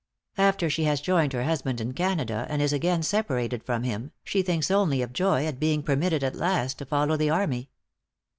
After she has joined her husband in Canada, and is again separated from him, she thinks only of joy at being permitted at last to follow the army.